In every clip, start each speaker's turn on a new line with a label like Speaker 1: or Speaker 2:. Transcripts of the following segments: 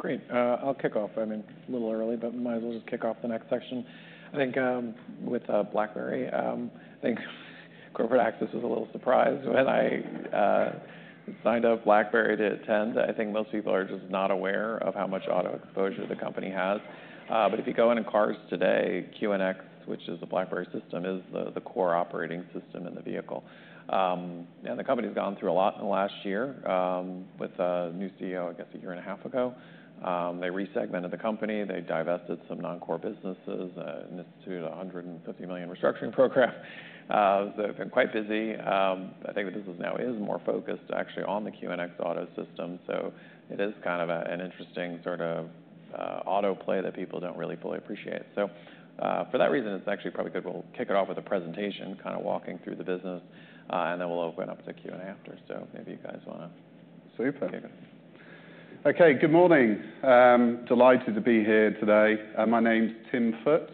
Speaker 1: Great. I'll kick off, I mean a little early, but might as well just kick off the next section I think with BlackBerry. I think corporate Access was a little surprised when I signed up BlackBerry to attend. I think most people are just not aware of how much auto exposure the company has. If you go into cars today, QNX, which is a BlackBerry system, is the core operating system in the vehicle. The company's gone through a lot in the last year with a new CEO. I guess a year and a half ago they resegmented the company, they divested some non core businesses. $150 million restructuring program. They've been quite busy. I think the business now is more focused actually on the QNX auto system. It is kind of an interesting sort of autoplay that people don't really fully appreciate. For that reason it's actually probably good. We'll kick it off with a presentation kind of walking through the business and then we'll open up to Q&A after. So. Maybe you guys want to. Super.
Speaker 2: Okay. Good morning, delighted to be here today. My name's Tim Foote,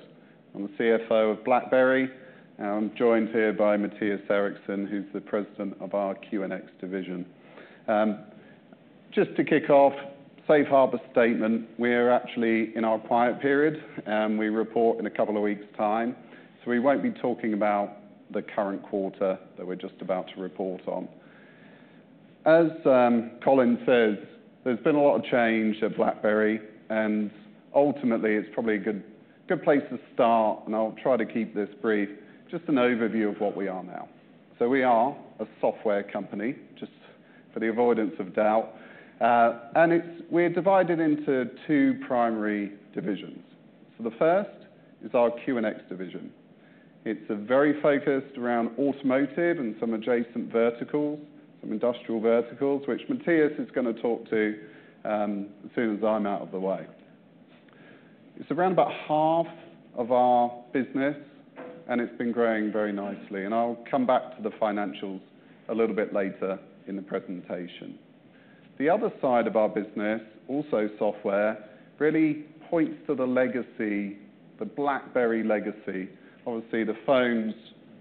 Speaker 2: I'm the CFO of BlackBerry. I'm joined here by Mattias Eriksson who's the President of our QNX division. Just to kick off, Safe Harbor Statement. We're actually in our quiet period and we report in a couple of weeks' time, so we won't be talking about the current quarter that we're just about to report on. As Colin says, there's been a lot of change at BlackBerry and ultimately it's probably a good, good place to start and I'll try to keep this brief, just an overview of what we are now. We are a software company just for the avoidance of doubt and we're divided into two primary divisions. The first is our QNX division. It's very focused around automotive and some adjacent verticals, some industrial verticals which Mattias is going to talk to as soon as I'm out of the way. It's around about half of our business and it's been growing very nicely. I'll come back to the financials a little bit later in the presentation. The other side of our business, also software, really points to the legacy, the BlackBerry legacy. Obviously the phones,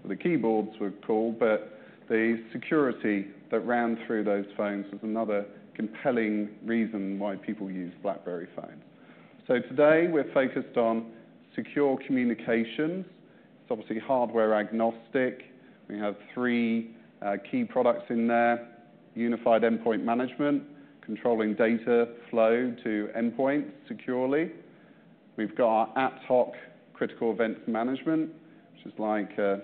Speaker 2: the keyboards were cool but the security that ran through those phones is another compelling reason why people use BlackBerry phones. Today we're focused on secure communications. It's obviously hardware agnostic. We have three key products in there. Unified Endpoint Management, controlling data flow to endpoints securely. We've got Ad Hoc Critical Events Management, which is like a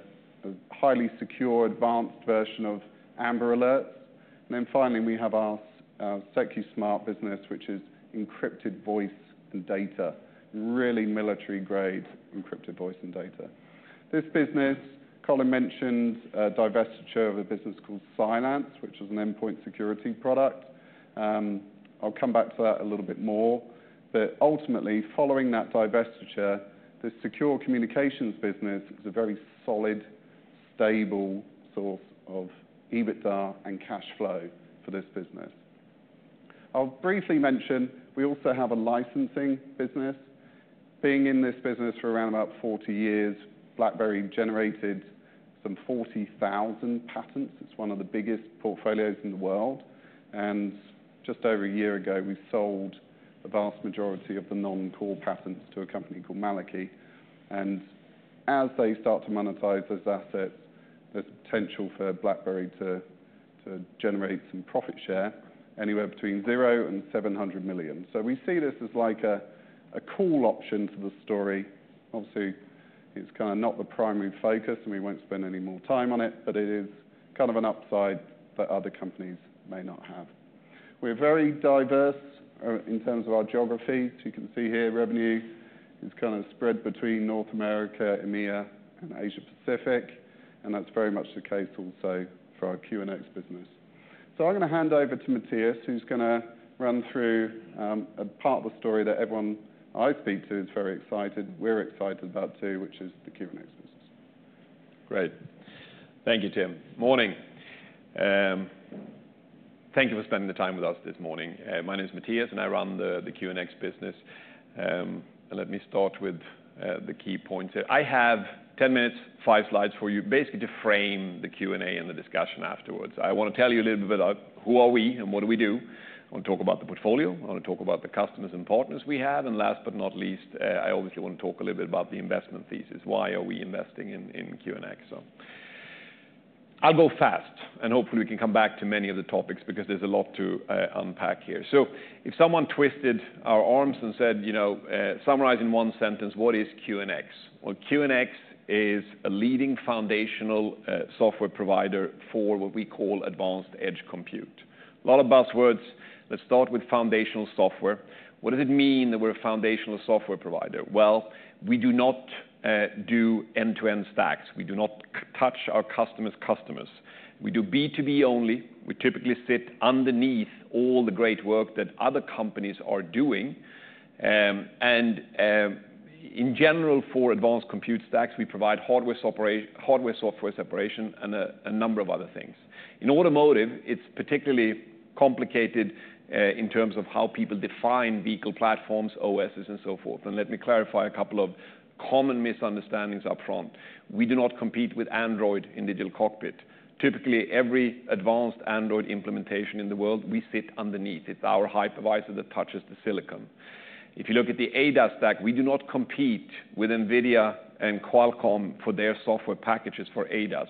Speaker 2: highly secure advanced version of Amber Alerts. Finally, we have our Secusmart business, which is encrypted voice and data, really military grade encrypted voice and data. This business. Colin mentioned divestiture of a business called Cylance, which is an endpoint security product. I'll come back to that a little bit more. Ultimately, following that divestaiture, the secure communications business is a very solid, stable source of EBITDA and cash flow for this business. I'll briefly mention we also have a licensing business. Being in this business for around about 40 years, BlackBerry generated some 40,000 patents. It's one of the biggest portfolios in the world. Just over a year ago, we sold the vast majority of the non-core patents to a company called Malikie. As they start to monetize those assets, there's potential for BlackBerry to generate some profit share anywhere between $0-$700 million. We see this as like a call option to the story. Obviously it's kind of not the primary focus and we won't spend any more time on it, but it is kind of an upside that other companies may not have. We're very diverse in terms of our geography. You can see here revenue is kind of spread between North America, EMEA and Asia Pacific. That's very much the case also for our QNX business. I'm going to hand over to Matthias, who's going to run through a part of the story that everyone I speak to is very excited. We're excited about too, which is the QNX business.
Speaker 3: Great, thank you. Tim. Morning. Thank you for spending the time with us this morning. My name is Mattias and I run the QNX business. Let me start with the key points. I have 10 minutes, five slides for you basically to frame the Q& A and the discussion afterwards. I want to tell you a little bit. Who are we and what do we do? I want to talk about the portfolio, I want to talk about the customers and partners we have. Last but not least, I obviously want to talk a little bit about the investment thesis. Why are we investing in QNX? I'll go fast and hopefully we can come back to many of the topics because there's a lot to unpack here. If someone twisted our arms and said, you know, summarize in one sentence, what is QNX? QNX is a leading foundational software provider for what we call Advanced Edge Compute. A lot of buzzwords. Let's start with foundational software. What does it mean that we're a foundational software provider? We do not do end to end stacks. We do not touch our customers' customers. We do B2B only. We typically sit underneath all the great work that other companies are doing. In general, for advanced compute stacks, we provide hardware, software separation and a number of other things. In automotive, it's particularly complicated in terms of how people define vehicle platforms, OSs and so forth. Let me clarify a couple of common misunderstandings up front. We do not compete with Android in digital cockpit. Typically, every advanced Android implementation in the world, we sit underneath. It's our hypervisor that touches the silicon. If you look at the ADAS stack, we do not compete with NVIDIA and Qualcomm for their software packages. For ADAS,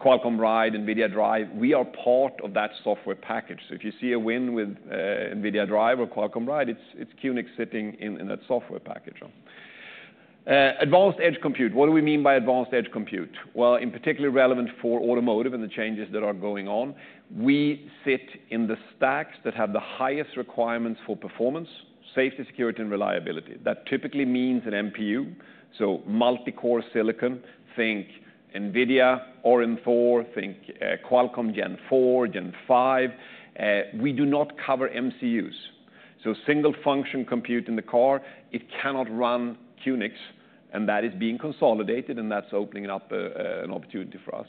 Speaker 3: Qualcomm Ride, NVIDIA Drive, we are part of that software package. If you see a win with NVIDIA Drive or Qualcomm Ride, it is QNX sitting in that software package. Advanced Edge Compute. What do we mean by Advanced Edge Compute? In particular, relevant for automotive and the changes that are going on, we sit in the stacks that have the highest requirements for performance, safety, security, and reliability. That typically means an MPU. So multi-core silicon. Think NVIDEA Orin 4, think Qualcomm Gen 4, Gen 5. We do not cover MCUs. Single-function compute in the car cannot run QNX. That is being consolidated and that is opening up an opportunity for us.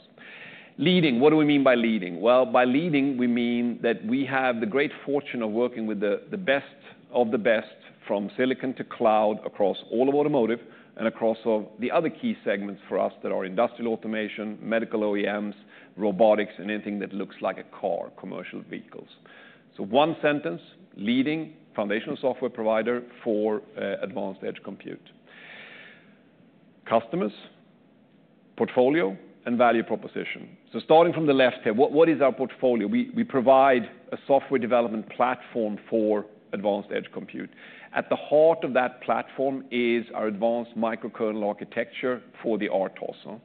Speaker 3: Leading. What do we mean by leading? By leading we mean that we have the great fortune of working with the best of the best from silicon to cloud, across all of automotive and across the other key segments for us that are industrial automation, medical, OEMs, robotics and anything that looks like a car, commercial vehicles. In one sentence: leading foundational software provider for Advanced Edge Compute customers portfolio and value proposition. Starting from the left here, what is our portfolio? We provide a software development platform for Advanced Edge Compute. At the heart of that platform is our advanced microkernel architecture for the RTOS.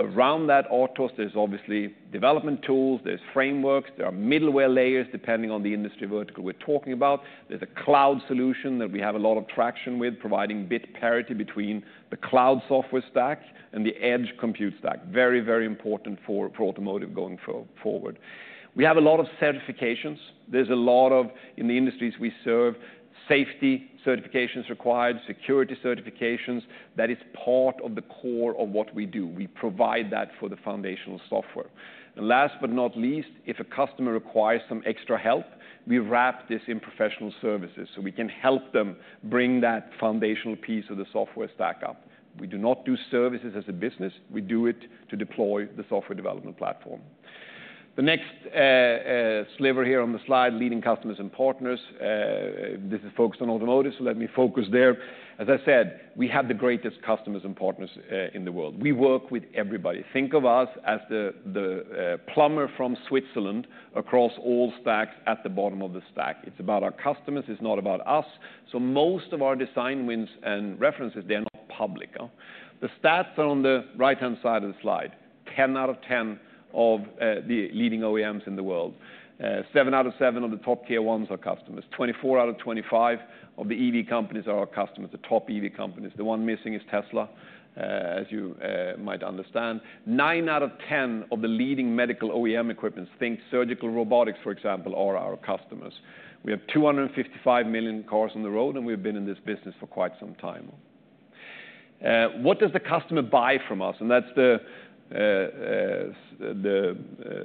Speaker 3: Around that RTOS, there are obviously development tools, there are frameworks, there are middleware layers depending on the industry vertical we are talking about. There is a cloud solution that we have a lot of traction with, providing bit parity between the cloud software stack and the edge compute stack. Very, very important for automotive going forward. We have a lot of certifications, there is a lot of in the industries we serve. Safety certifications, required security certifications. That is part of the core of what we do, we provide that for the foundational software. Last but not least, if a customer requires some extra help, we wrap this in professional services so we can help them bring that foundational piece of the software stack up. We do not do services as a business. We do it to deploy the software development platform. The next sliver here on the slide, leading customers and partners. This is focused on automotive, so let me focus there. As I said, we have the greatest customers and partners in the world. We work with everybody. Think of us as the plumber from Switzerland. Across all stacks, at the bottom of the stack, it's about our customers, it's not about us. Most of our design wins and references, they are not public. The stats are on the right hand side of the slide. 10 out of 10 of the leading OEMs in the world, 7 out of 7 of the top tier ones are customers. 24 out of 25 of the EV companies are our customers. The top EV companies, the one missing is Tesla. As you might understand, nine out of 10 of the leading medical OEM equipment, think surgical robotics, for example, are our customers. We have 255 million cars on the road and we've been in this business for quite some time. What does the customer buy from us? That's the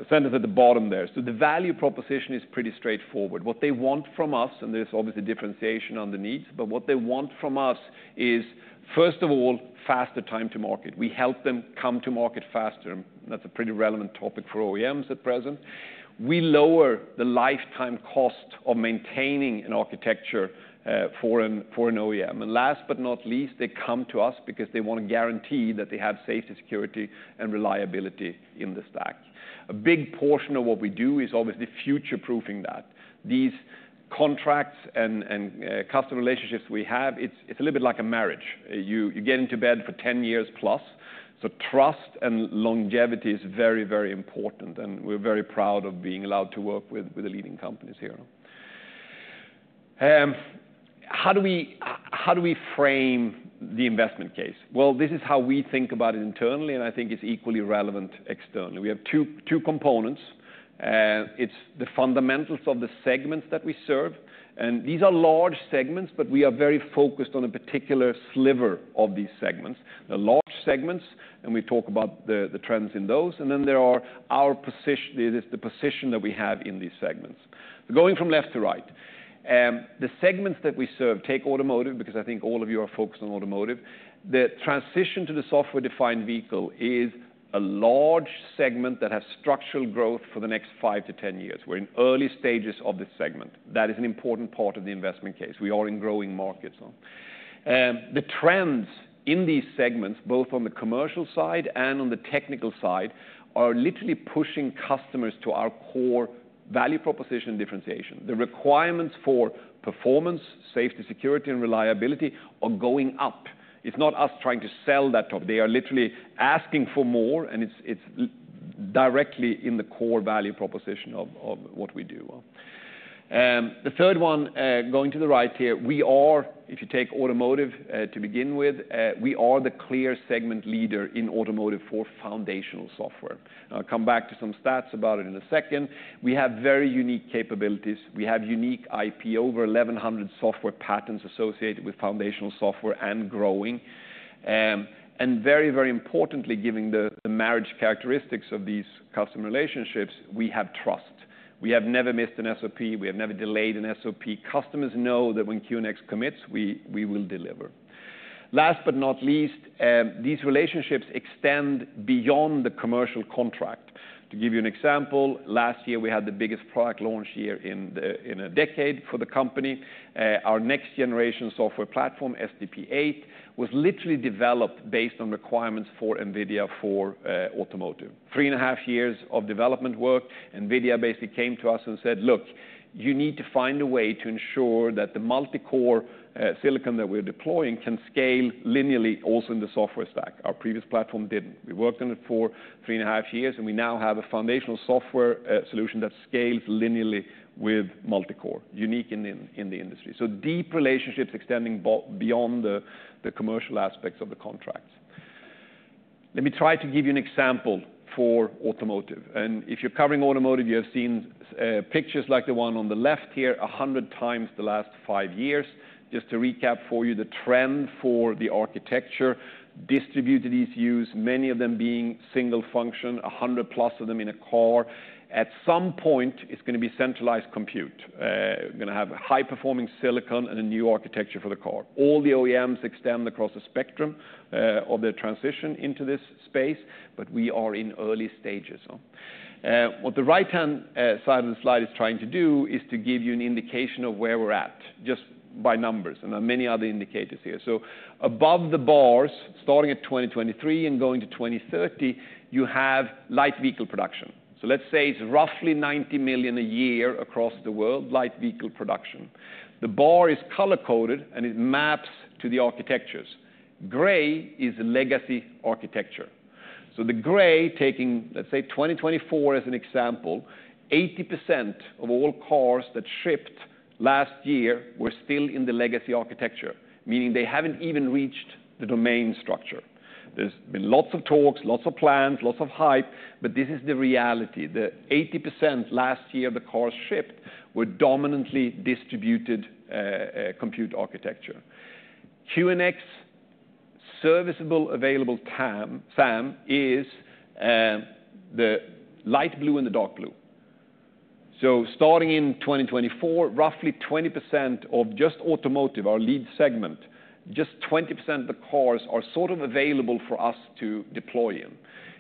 Speaker 3: sentence at the bottom there. The value proposition is pretty straightforward. What they want from us, and there's obviously differentiation on the needs. What they want from us is, first of all, faster time to market. We help them come to market faster. That's a pretty relevant topic for OEMs at present. We lower the lifetime cost of maintaining an architecture for an OEM. Last but not least, they come to us because they want to guarantee that they have safety, security, and reliability in the stack. A big portion of what we do is obviously future proofing that these contracts and customer relationships we have. It's a little bit like a marriage. You get into bed for 10 years plus. Trust and longevity is very, very important. We're very proud of being allowed to work with the leading companies here. How do we, how do we frame the investment case? This is how we think about it internally and I think it's equally relevant externally. We have two components. It's the fundamentals of the segments that we serve. These are large segments, but we are very focused on a particular sliver of these segments, the large segments, and we talk about the trends in those. Then there is our position, the position that we have in these segments, going from left to right, the segments that we serve. Take automotive because I think all of you are focused on automotive. The transition to the software defined vehicle is a large segment that has structural growth for the next five to 10 years. We're in early stages of this segment. That is an important part of the investment case. We are in growing markets. The trends in these segments, both on the commercial side and on the technical side, are literally pushing customers to our core value proposition. Differentiation. The requirements for performance, safety, security, and reliability are going up. It is not us trying to sell that top, they are literally asking for more. It is directly in the core value proposition of what we do. The third one going to the right, here we are. If you take automotive to begin with, we are the clear segment leader in automotive for foundational software. I will come back to some stats about it in a second. We have very unique capabilities, we have unique IP, over 1,100 software patents associated with foundational software and growing, and very, very importantly, given the marriage characteristics of these customer relationships, we have trust. We have never missed an SOP. We have never delayed an SOP. Customers know that when QNX commits, we will deliver. Last but not least, these relationships extend beyond the commercial contract. To give you an example, last year we had the biggest product launch year in a decade for the company. Our next generation software platform, SDP8, was literally developed based on requirements for NVIDIA for automotive. Three and a half years of development work. NVIDIA basically came to us and said look, you need to find a way to ensure that the multi core silicon that we're deploying can scale linearly. Also in the software stack. Our previous platform did not, we worked on it for three and a half years and we now have a foundational software solution that scales linearly with multicore, unique in the industry. So deep relationships extending beyond the commercial aspects of the contracts. Let me try to give you an example for automotive. If you're covering automotive, you have seen pictures like the one on the left here 100 times the last 55 years. Just to recap for you, the trend for the architecture is distributed ECUs, many of them being single function, 100 plus of them in a car. At some point, it's going to be centralized compute, going to have high performing silicon and a new architecture for the car. All the OEMs extend across the spectrum of their transition into this space. We are in early stages. What the right hand side of the slide is trying to do is to give you an indication of where we're at, just by numbers and many other indicators here. Above the bars starting at 2023 and going to 2030, you have light vehicle production. Let's say it's roughly 90 million a year across the world. Light vehicle production. The bar is color coded and it maps to the architectures. Gray is legacy architecture. So the gray. Taking let's say 2024 as an example, 80% of all cars that shipped last year were still in the legacy architecture, meaning they haven't even reached the domain structure. There's been lots of talks, lots of plans, lots of hype, but this is the reality. The 80% last year the cars shipped were dominantly distributed compute architecture. QNX serviceable available SAM is the light blue and the dark blue. Starting in 2024, roughly 20% of just automotive, our lead segment, just 20% of the cars are sort of available for us to deploy in.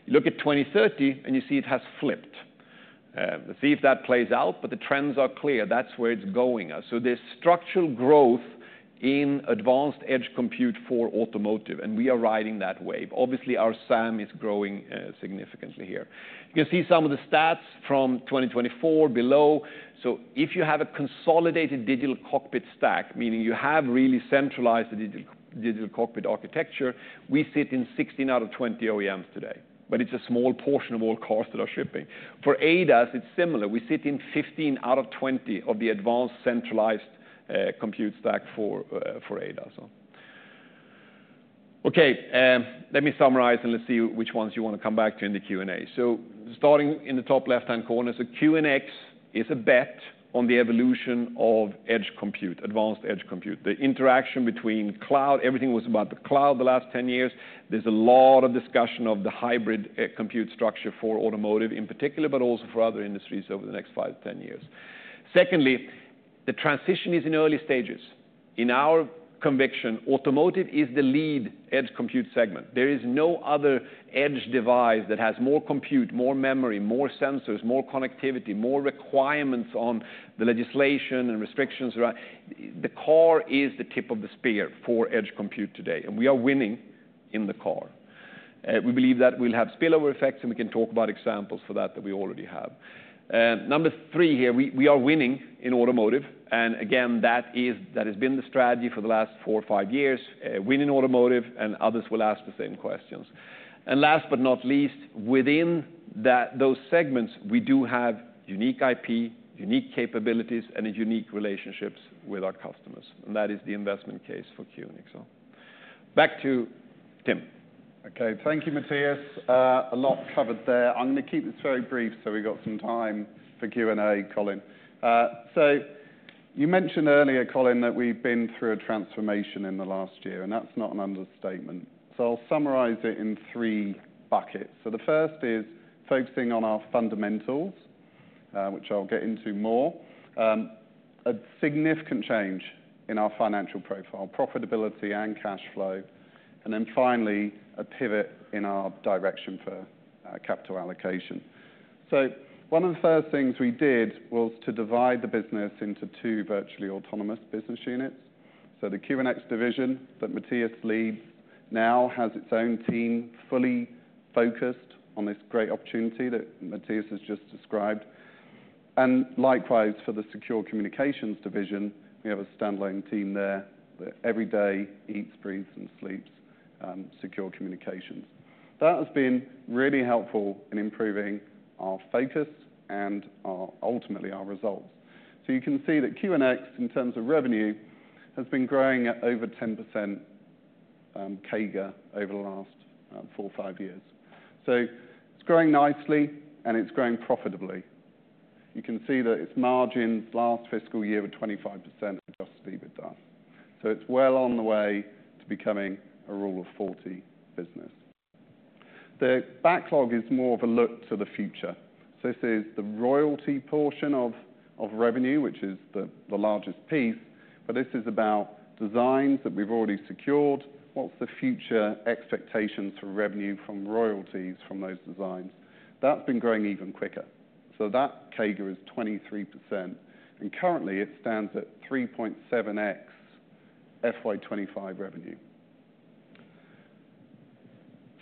Speaker 3: Look at 2030 and you see it has flipped. Let's see if that plays out. The trends are clear. That's where it's going. There is structural growth in Advanced Edge Compute for automotive and we are riding that wave. Obviously our SAM is growing significantly here. You can see some of the stats from 2024 below. If you have a consolidated digital cockpit stack, meaning you have really centralized the digital cockpit architecture, we sit in 16 out of 20 OEMs today. It is a small portion of all cars that are shipping. For ADAS, it is similar. We sit in 15 out of 20 of the advanced centralized compute stack for ADAS. Okay, let me summarize and let's see which ones you want to come back to in the Q&A. Starting in the top left hand corner. QNX is a bet on the evolution of edge compute. Advanced Edge Compute, the interaction between cloud, everything was about the cloud the last 10 years. There's a lot of discussion of the hybrid compute structure for automotive in particular, but also for other industries over the next five, 10 years. Secondly, the transition is in early stages. In our conviction, automotive is the lead edge compute segment. There is no other edge device that has more compute, more memory, more sensors, more connectivity, more requirements on the legislation and restrictions. The car is the tip of the spear for edge compute today and we are winning in the car. We believe that we'll have spillover effects and we can talk about examples for that that we already have. Number three, here we are winning in automotive. And again, that is, that has been the strategy for the last four or five years. Winning automotive and others will ask the same questions. Last but not least, within those segments, we do have unique IP, unique capabilities, and unique relationships with our customers. That is the investment case for QNX. Back to Tim.
Speaker 2: Okay, thank you, Matthias. A lot covered there. I'm going to keep this very brief, so we've got some time for Q&A. Colin. You mentioned earlier, Colin, that we've been through a transformation in the last year, and that's not an understatement. I'll summarize it in three buckets. The first is focusing on our fundamentals, which I'll get into more. A significant change in our financial profile, profitability and cash flow, and then finally a pivot in our direction for capital allocation. One of the first things we did was to divide the business into two virtually autonomous business units. The QNX division that Matthias leads now has its own team fully focused on this great opportunity that Matthias has just described. Likewise for the Secure Communications division, we have a standalone team there that every day eats, breathes, and sleeps secure communications that has been really helpful in improving our focus and ultimately our results. You can see that QNX, in terms of revenue, has been growing at over 10% CAGR over the last four, five years. It is growing nicely and it is growing profitably. You can see that its margins last fiscal year were 25% adjusted EBITDA. It is well on the way to becoming a Rule of 40 business. The backlog is more of a look to the future. This is the royalty portion of revenue, which is the largest piece. This is about designs that we have already secured. What is the future expectation for revenue from royalties from those designs? That has been growing even quicker. That CAGR is 23% and currently it stands at 3.7x FY25 revenue.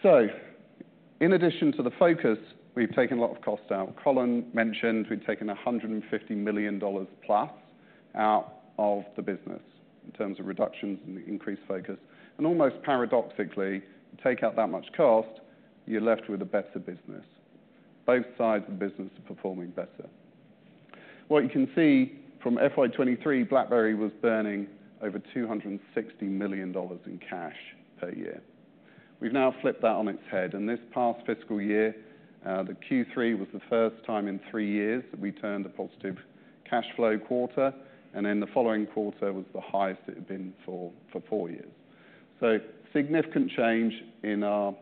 Speaker 2: In addition to the focus, we've taken a lot of cost out. Colin mentioned we've taken $150 million plus out of the business in terms of reductions and increased focus. Almost paradoxically, take out that much cost, you're left with a better business. Both sides of business are performing better. What you can see from FY23, BlackBerry was burning over $260 million in cash per year. We've now flipped that on its head. This past fiscal year, the Q3 was the first time in three years that we turned a positive cash flow quarter. The following quarter was the highest it had been for four years. Significant change in our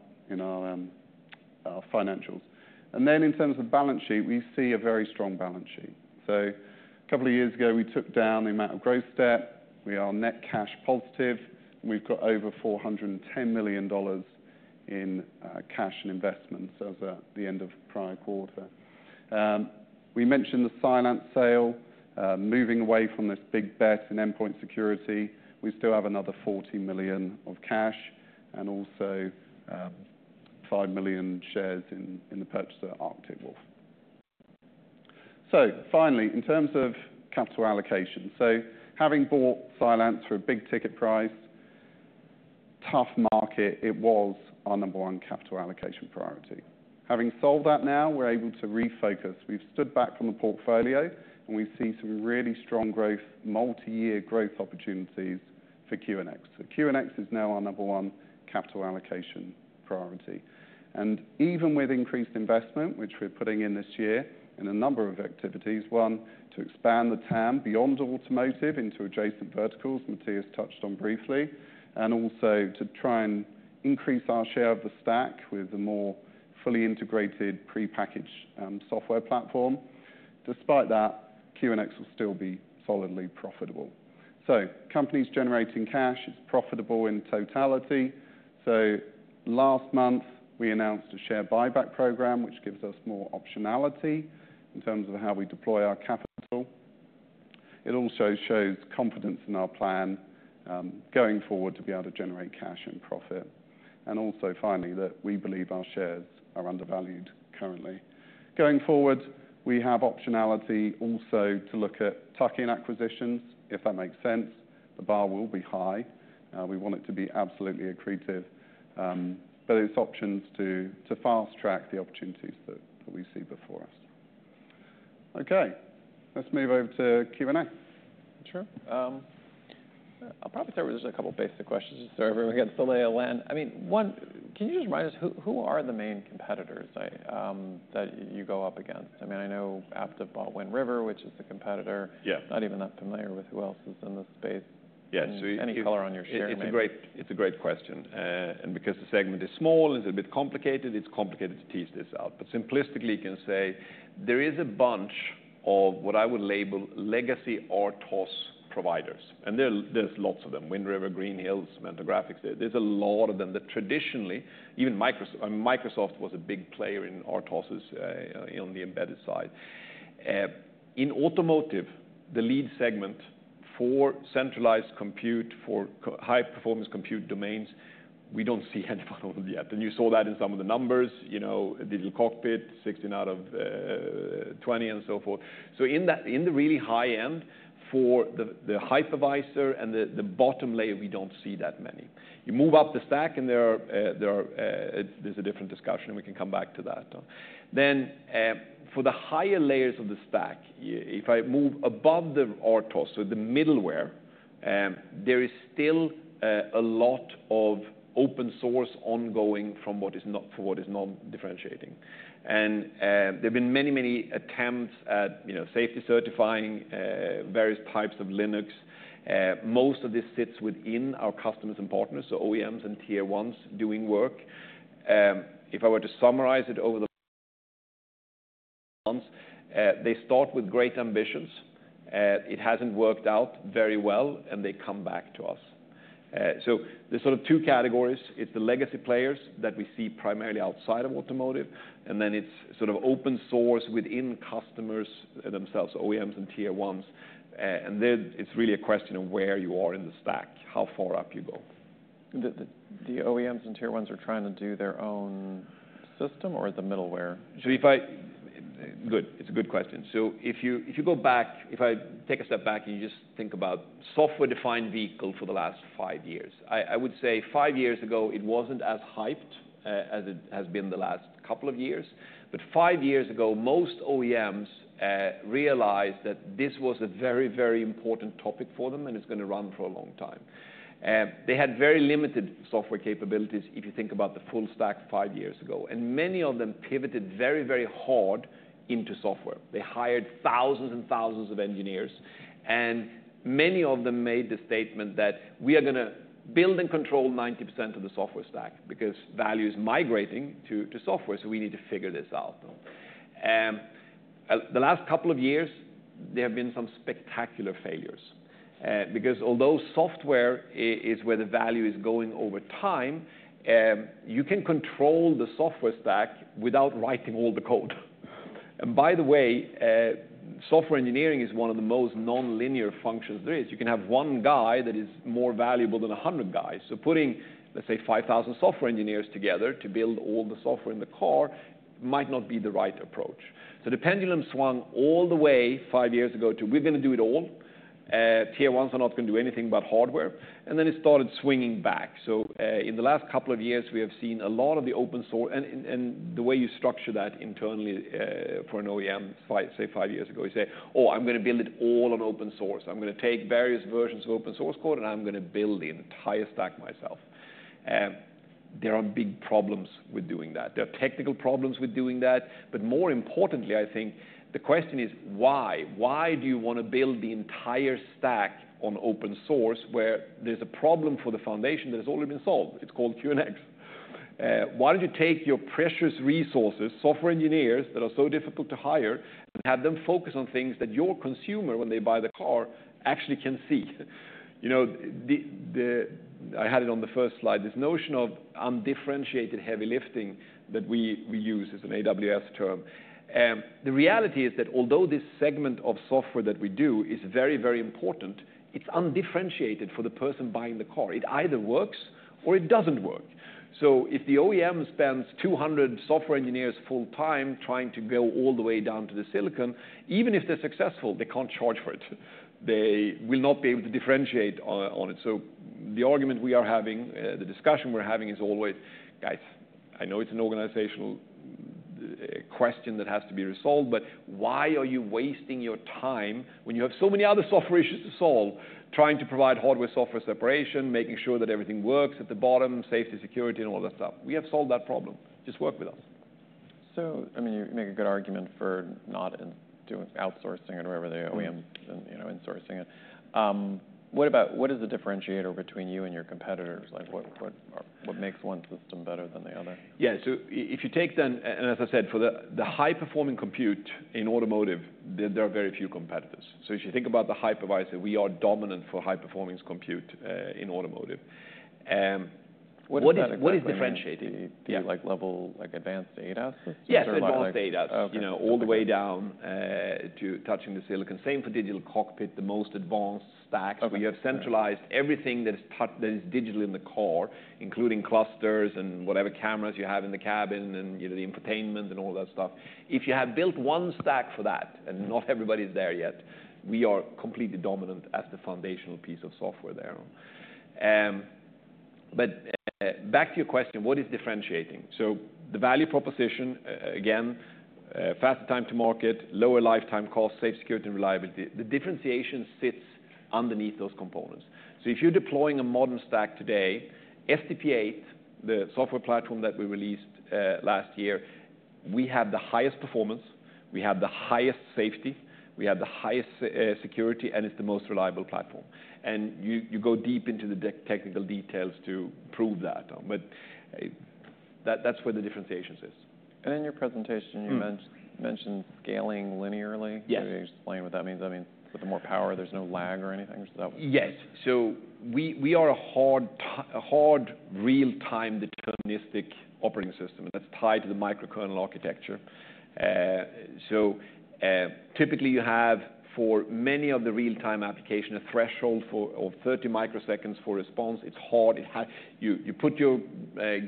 Speaker 2: financials and in terms of balance sheet, we see a very strong balance sheet. A couple of years ago we took down the amount of growth debt. We are net cash positive. We've got over $410 million in cash and investments. As at the end of prior quarter we mentioned the Cylance sale. Moving away from this big bet in Endpoint Security, we still have another $40 million of cash and also 5 million shares in the purchase of Arctic Wolf. Finally in terms of capital allocation. Having bought Cylance for a big ticket price in a tough market, it was our number one capital allocation priority. Having solved that, now we're able to refocus, we've stood back on the portfolio and we see some really strong growth, multi-year growth opportunities for QNX. QNX is now our number one capital allocation priority. Even with increased investment, which we're putting in this year in a number of activities, one, to expand the TAM beyond Automotive into adjacent verticals Matthias touched on briefly and also to try and increase our share of the stack with a more fully integrated prepackaged software platform. Despite that, QNX will still be solidly profitable. So companies generating cash is profitable in totality. Last month we announced a share buyback program which gives us more optionality in terms of how we deploy our capital. It also shows confidence in our plan going forward to be able to generate cash and profit and also finally that we believe our shares are undervalued. Currently going forward we have optionality also to look at tuck in acquisitions if that makes sense. The bar will be high. We want it to be absolutely accretive. It's options to fast track the opportunities that we see before us.
Speaker 1: Okay, let's move over to Q&A.
Speaker 2: Sure.
Speaker 1: I'll probably start with just a couple basic questions so everyone gets the lay of land. I mean one, can you just remind us who are the main competitors that you go up against? I mean I know Aptiv bought Wind River, which is the competitor not even that familiar with. Who else is in the space?
Speaker 2: Yeah,
Speaker 1: Any color on your share?
Speaker 3: It's a great question. Because the space segment is small, it's a bit complicated. It's complicated to tease this out, but simplistically you can say there is a bunch of what I would label legacy RTOS providers and there's lots of them. Wind River, Green Hills, Mentor Graphics, there's a lot of them that traditionally even Microsoft was a big player in RTOS. On the embedded side in automotive, the lead segment for centralized compute, for high performance compute domains, we don't see any problem yet. You saw that in some of the numbers, you know, digital cockpit, 16 out of 20 and so forth. In that, in the really high end for the hypervisor and the bottom layer, we don't see that many. You move up the stack and there is a different discussion and we can come back to that then for the higher layers of the stack if I move above the RTOS. The middleware, there is still a lot of open source ongoing from what is non differentiating. There have been many, many attempts at safety certifying various types of Linux. Most of this sits within our customers and partners. OEMs and Tier 1s doing work. If I were to summarize it over the months, they start with great ambitions, it has not worked out very well and they come back to us. There are sort of two categories. It is the legacy players that we see primarily outside of automotive and then it is sort of open source within customers themselves, OEMs and Tier 1s. It is really a question of where you are in the stack, how far up you go.
Speaker 1: The OEMs and Tier 1s are trying to do their own system or the middleware.
Speaker 3: It's a good question. If you go back, if I take a step back and you just think about software defined vehicle for the last five years, I would say five years ago it wasn't as hyped as it has been the last couple of years. Five years ago most OEMs realized that this was a very, very important topic for them and it's going to run for a long time. They had very limited software capabilities. If you think about the full stack five years ago and many of them pivoted very, very hard into software. They hired thousands and thousands of engineers and many of them made the statement that we are going to build and control 90% of the software stack because value is migrating to software. We need to figure this out. The last couple of years there have been some spectacular failures because although software is where the value is going over time, you can control the software stack without writing all the code. By the way, software engineering is one of the most non-linear functions there is. You can have one guy that is more valuable than 100 guys. Putting, let's say, 5,000 software engineers together to build all the software in the car might not be the right approach. The pendulum swung all the way five years ago to we're going to do it all. Tier 1s are not going to do anything but hardware. It started swinging back. In the last couple of years we have seen a lot of the open source and the way you structure that internally for an OEM, say five years ago, you say, oh, I'm going to build it all on open source, I'm going to take various versions of open source code and I'm going to build the entire stack myself. There are big problems with doing that. There are technical problems with doing that. More importantly, I think the question is why? Why do you want to build the entire stack on open source where there's a problem for the foundation that has already been solved? It's called QNX. Why don't you take your precious resources, software engineers that are so difficult to hire, and have them focus on things that your consumer when they buy the car actually can see. You know I had it on the first slide, this notion of undifferentiated heavy lifting that we use as an AWS term. The reality is that although this segment of software that we do is very, very important, it's undifferentiated for the person buying the car. It either works or it doesn't work. If the OEM spends 200 software engineers full time trying to go all the way down to the silicon, even if they're successful, they can't charge for it. They will not be able to differentiate on it. The argument we are having, the discussion we're having is always, guys, I know it's an organizational question that has to be resolved, but why are you wasting your time when you have so many other software issues to solve, trying to provide hardware software separation, making sure that everything works at the bottom, safety, security and all that stuff. We have solved that problem. Just work with us.
Speaker 1: I mean you make a good argument for not outsourcing it or wherever they are insourcing it. What is the differentiator between you and your competitors? Like what makes one system better than the other?
Speaker 3: Yeah. If you take then and as I said, for the high performing compute in automotive, there are very few competitors. If you think about the hypervisor, we are dominant for high performance compute in automotive.
Speaker 1: What is differentiating?
Speaker 3: Do you like level like advanced ADAS?
Speaker 1: Yes, advanced ADAS,
Speaker 3: you know, all the way down to touching the silicon. Same for digital cockpit, the most advanced stack. You have centralized everything that is digital in the core, including clusters and whatever cameras you have in the cabin and the infotainment and all that stuff. If you have built one stack for that. Not everybody's there yet. We are completely dominant as the foundational piece of software there. Back to your question, what is differentiating, so the value proposition again, faster time to market, lower lifetime cost, safety, security, and reliability. The differentiation sits underneath those components. If you are deploying a modern stack today, SDP8, the software platform that we released last year, we have the highest performance, we have the highest safety, we have the highest security, and it is the most reliable platform. You go deep into the technical details to prove that. That is where the differentiation is.
Speaker 1: In your presentation you mentioned scaling linearly. Can you explain what that means? I mean, with the more power, there's no lag or anything.
Speaker 3: Yes. We are a hard real time deterministic operating system and that's tied to the microkernel architecture. Typically you have for many of the real time application a threshold of 30 microseconds for response. It's hard. You put your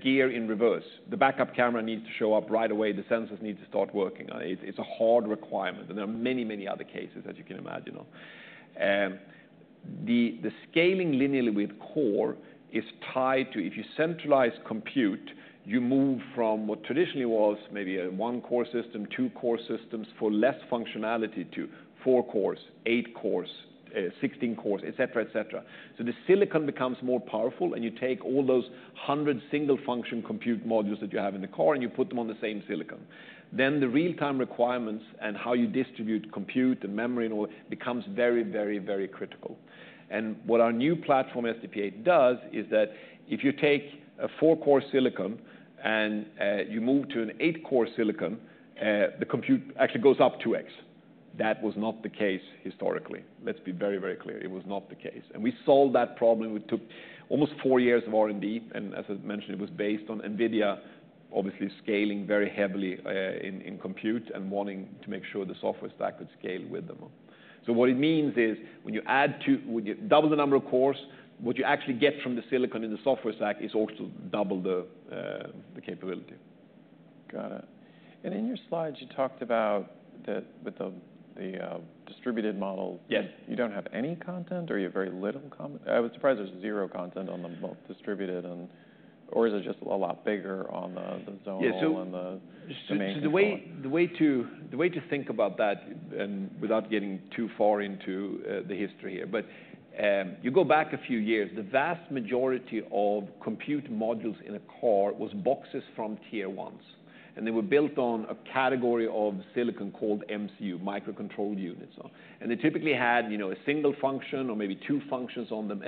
Speaker 3: gear in reverse, the backup camera needs to show up right away, the sensors need to start working. It's a hard requirement. There are many, many other cases. As you can imagine, the scaling linearly with core is tied to if you centralize compute, you move from what traditionally was maybe a one core system, two core systems for less functionality, to four cores, eight cores, 16 cores, et cetera, et cetera. The silicon becomes more powerful and you take all those hundred single function compute modules that you have in the core and you put them on the same silicon, then the real time requirements and how you distribute compute and memory and all becomes very, very, very critical. What our new platform SDP8 does is that if you take a four core silicon and you move to an eight core silicon, the compute actually goes up 2x. That was not the case historically. Let's be very, very clear, it was not the case. We solved that problem. We took almost four years of R and D and as I mentioned, it was based on NVIDIA, obviously scaling very heavily in compute and wanting to make sure the software stack could scale with them. What it means is when you add to double the number of cores, what you actually get from the silicon in the software stack is also double the capability.
Speaker 1: Got it. In your slides you talked about that with the distributed model, you do not have any content or you have very little. I was surprised. There is zero content on the distributed or is it just a lot bigger on the zone?
Speaker 3: The way to think about that, and without getting too far into the history here, but you go back a few years. The vast majority of compute modules in a car was boxes from Tier 1s, and they were built on a category of silicon called MCU, microcontroller units. And they typically had, you know, a single function or maybe two functions on them.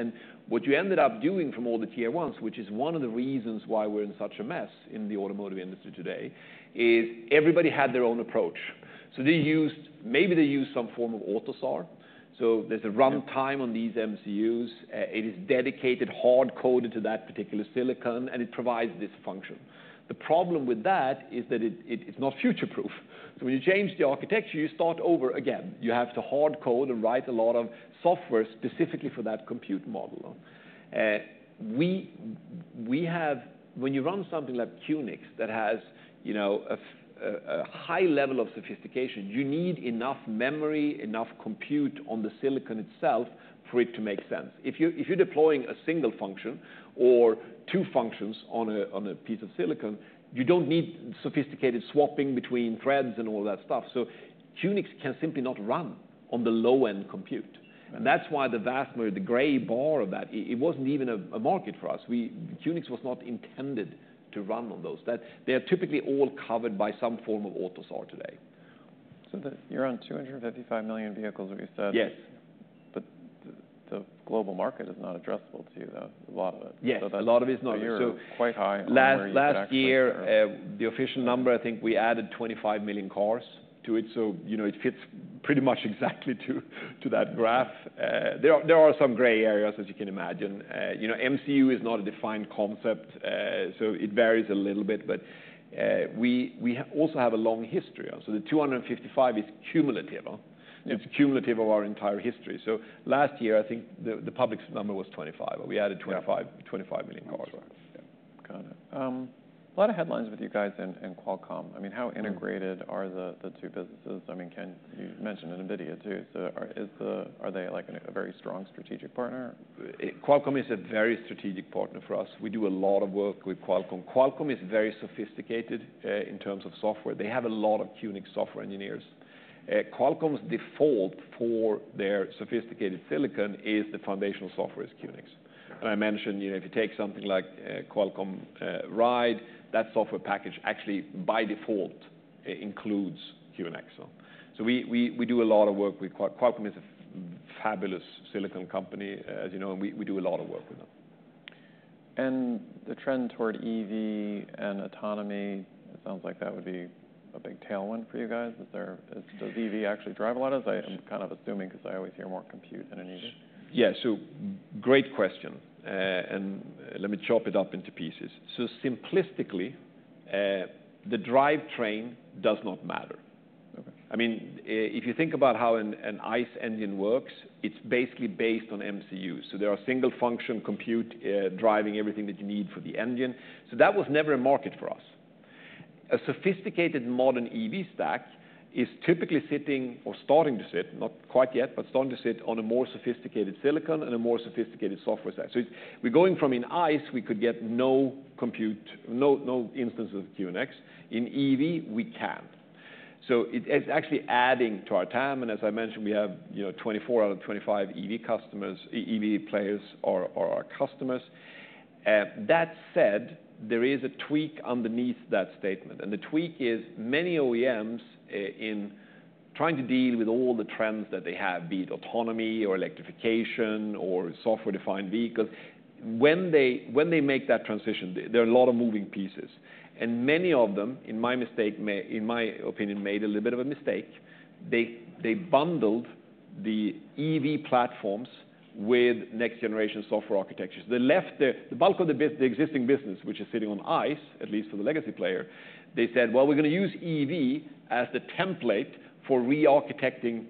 Speaker 3: What you ended up doing from all the Tier 1s, which is one of the reasons why we're in such a mess in the automotive industry today, is everybody had their own approach. They used, maybe they use some form of AUTOSAR. There is a runtime on these MCUs. It is dedicated, hard coded to that particular silicon and it provides this function. The problem with that is that it's not future proof. When you change the architecture, you start over again. You have to hard code and write a lot of software specifically for that compute model. When you run something like QNX that has, you know, a high level of sophistication, you need enough memory, enough compute on the silicon itself for it to make sense. If you're deploying a single function or two functions on a piece of silicon, you don't need sophisticated swapping between threads and all that stuff. QNX can simply not run on the low end compute. That's why the vast majority, the gray bar of that, it wasn't even a market for us. QNX was not intended to run on those. They are typically all covered by some form of AUTOSAR today.
Speaker 1: You're on 255 million vehicles, what you said?
Speaker 3: Yes,
Speaker 1: But the global market is not addressable to you though. A lot of it. It is not quite high.
Speaker 3: Last year, the official number, I think we added 25 million cars to it. It fits pretty much exactly to that graph. There are some gray areas, as you can imagine. You know, MCU is not a defined concept, so it varies a little bit. We also have a long history. The 255 is cumulative. It is cumulative of our entire history. Last year I think the public's number was 25, but we added 25. 25 million.
Speaker 1: Got it. A lot of headlines with you guys and Qualcomm. I mean, how integrated are the two businesses? I mean, you mention NVIDIA too? Are they like a very strong strategic partner?
Speaker 3: Qualcomm is a very strategic partner for us. We do a lot of work with Qualcomm. Qualcomm is very sophisticated in terms of software. They have a lot of QNX software engineers. Qualcomm's default for their sophisticated silicon is the foundational software is QNX. I mentioned if you take something like Qualcomm Ride, that software package actually by default includes QNX. We do a lot of work. Qualcomm is a fabulous silicon company, as you know, and we do a lot of work with them.
Speaker 1: The trend toward EV and autonomy, it sounds like that would be a big tailwind for you guys. Does EV actually drive a lot of this? I'm kind of assuming because I always hear more computer.
Speaker 3: Yeah. Great question and let me chop it up into pieces. Simplistically, the drive train does not matter. I mean, if you think about how an ICE engine works, it's basically based on MCU. There are single function compute driving everything that you need for the engine. That was never a market for us. A sophisticated modern EV stack is typically sitting or starting to sit—not quite yet, but starting to sit—on more sophisticated silicon and more sophisticated software. We're going from in ICE we could get no compute, no instances of QNX; in EV we can. It's actually adding to our TAM. As I mentioned, we have 24 out of 25 EV customers. EV players are our customers. That said, there is a tweak underneath that statement, and the tweak is many OEMs, in trying to deal with all the trends that they have, be it autonomy or electrification or software defined vehicle. When they make that transition, there are a lot of moving pieces, and many of them, in my opinion, made a little bit of a mistake. They bundled the EV platforms with next generation software architectures. They left the bulk of the existing business, which is sitting on ICE, at least for the legacy player. They said, "We're going to use EV as the template for re-architecting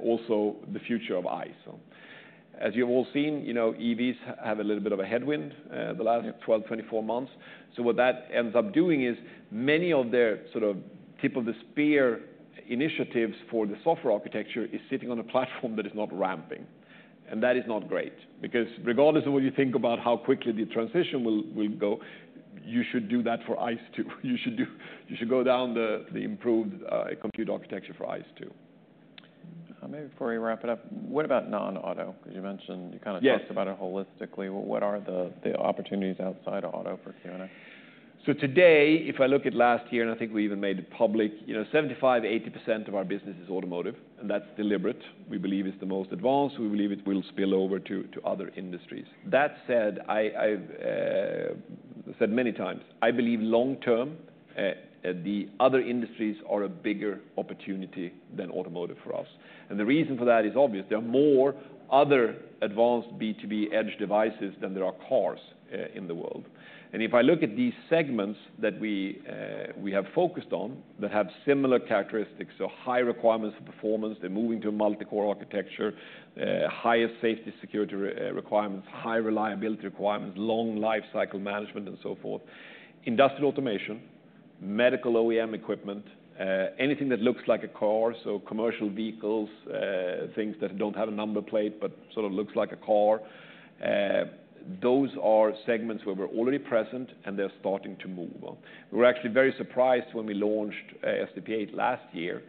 Speaker 3: also the future of ICE." As you've all seen, you know, EVs have a little bit of a headwind the last 12-24 months. What that ends up doing is many of their sort of tip of the spear initiatives. For the software architecture is sitting on a platform that is not ramping and that is not great because regardless of what you think about how quickly the transition will go, you should do that for ICE too. You should do. You should go down the improved compute architecture for ICE too.
Speaker 1: Maybe before we wrap it up, what about non auto? Because you mentioned you kind of talked about it holistically. What are the opportunities outside auto for Q&A?
Speaker 3: Today if I look at last year and I think we even made it public, you know, 75-80% of our business is automotive. That is deliberate. We believe it is the most advanced. We believe it will spill over to other industries. That said, I said many times, I believe long term the other industries are a bigger opportunity than automotive for us. The reason for that is obvious. There are more other advanced B2B edge devices than there are cars in the world. If I look at these segments that we have focused on that have similar characteristics, so high requirements for performance, they are moving to a multi core architecture. Higher safety security requirements, high reliability requirements, long lifecycle management and so forth, industrial automation, medical, OEM equipment, anything that looks like a car. Commercial vehicles, things that do not have a number plate but sort of look like a car. Those are segments where we are already present and they are starting to move. We were actually very surprised when we launched SDP8 last year.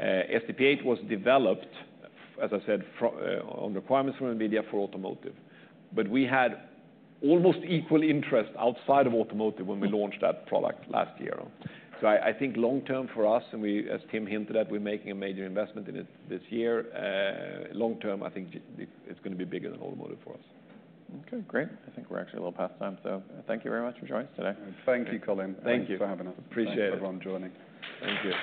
Speaker 3: SDP8 was developed, as I said, on requirements from NVIDIA for automotive. We had almost equal interest outside of automotive when we launched that product last year. I think long term for us, and as Tim hinted at, we are making a major investment in it this year. Long term, I think it is going to be bigger than automotive for us.
Speaker 1: Okay, great. I think we're actually a little past time, so thank you very much for joining us today.
Speaker 3: Thank you, Colin, thank you for having us.
Speaker 1: Appreciate it. Joining.
Speaker 3: Thank you.